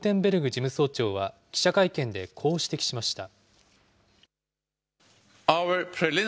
事務総長は、記者会見でこう指摘しました。